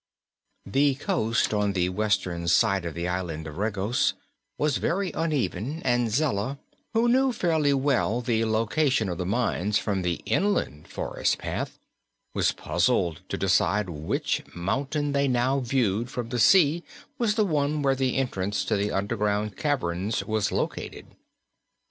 The coast on the western side of the Island of Regos was very uneven and Zella, who knew fairly well the location of the mines from the inland forest path, was puzzled to decide which mountain they now viewed from the sea was the one where the entrance to the underground caverns was located.